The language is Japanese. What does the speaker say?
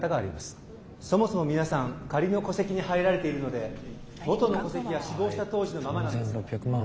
そもそも皆さん仮の戸籍に入られているのでもとの戸籍は死亡した当時のままなんですから。